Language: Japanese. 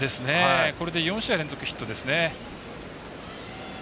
これで４試合連続ヒットですね。